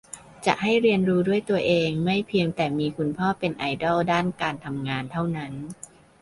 จะให้เรียนรู้ด้วยตัวเอง ไม่เพียงแต่มีคุณพ่อเป็นไอดอลด้านการทำงานเท่านั้น